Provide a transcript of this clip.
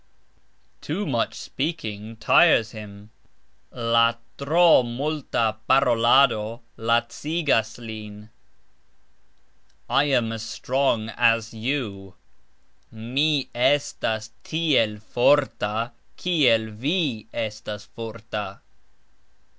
"Too" much speaking tires him, La "tro" multa parolado lacigas lin. I am "as" strong "as" you, Mi estas "tiel" forta, "kiel" vi (estas forta).